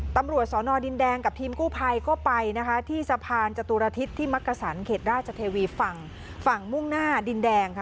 ตำรวจสอนอดินแดงกับทีมกู้ภัยก็ไปนะคะที่สะพานจตุรทิศที่มักกษันเขตราชเทวีฝั่งฝั่งมุ่งหน้าดินแดงค่ะ